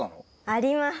あります！